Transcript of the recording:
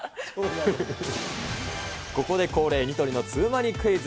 ここで恒例ニトリのツウマニクイズ。